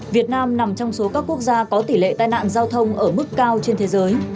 việt nam nằm trong số các quốc gia có tỷ lệ tai nạn giao thông ở mức cao trên thế giới